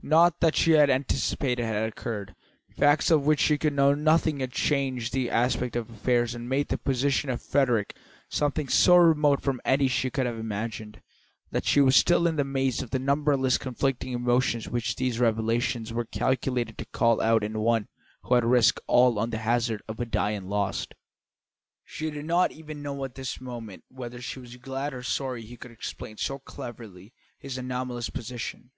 Nought that she had anticipated had occurred; facts of which she could know nothing had changed the aspect of affairs and made the position of Frederick something so remote from any she could have imagined, that she was still in the maze of the numberless conflicting emotions which these revelations were calculated to call out in one who had risked all on the hazard of a die and lost. She did not even know at this moment whether she was glad or sorry he could explain so cleverly his anomalous position.